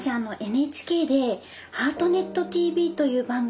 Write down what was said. ＮＨＫで「ハートネットＴＶ」という番組を。